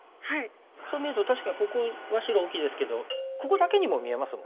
そう見ると確かにここは白大きいですけどここだけにも見えますもんね。